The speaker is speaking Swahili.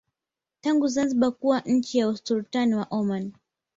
tangu Zanzibar kuwa chini ya Usultani wa Oman